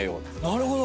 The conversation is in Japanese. なるほど。